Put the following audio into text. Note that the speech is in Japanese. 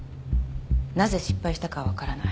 なぜ失敗したかはわからない。